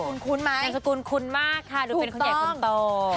นามสกุลคุ้นไหมนามสกุลคุ้นมากค่ะดูเป็นคนใหญ่คนต่อ